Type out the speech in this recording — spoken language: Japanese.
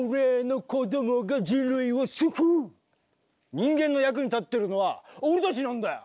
人間の役に立ってるのは俺たちなんだよ！